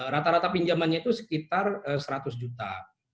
rata rata pinjamannya itu sekitar seratus juta